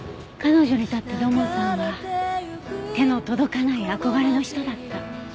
彼女にとって土門さんは手の届かない憧れの人だった。